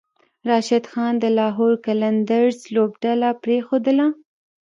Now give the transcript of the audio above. راشد خان د لاهور قلندرز لوبډله پریښودله